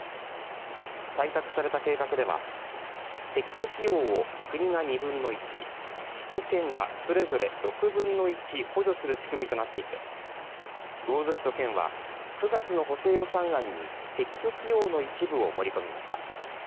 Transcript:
採択された計画では撤去費用を国が２分の１市と県がそれぞれ６分の１補助する仕組みとなっていて魚津市と県は９月の補正予算案に撤去費用の一部を盛り込みました。